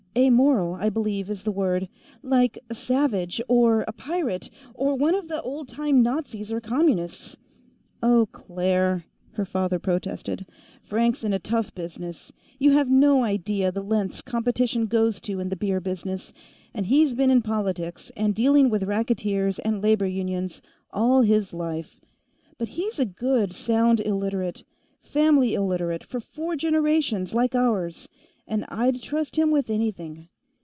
Amoral, I believe, is the word. Like a savage, or a pirate, or one of the old time Nazis or Communists." "Oh, Claire!" her father protested. "Frank's in a tough business you have no idea the lengths competition goes to in the beer business and he's been in politics, and dealing with racketeers and labor unions, all his life. But he's a good sound Illiterate family Illiterate for four generations, like ours and I'd trust him with anything.